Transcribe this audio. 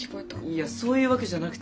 いやそういうわけじゃなくて。